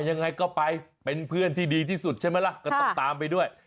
ยังไงก็ไปเป็นเพื่อนที่ดีที่สุดใช่ไหมล่ะก็ต้องตามไปด้วย